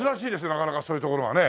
なかなかそういう所はね。